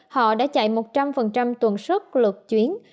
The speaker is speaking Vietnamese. họ đã chạy một trăm linh tuần xuất lượt chuyến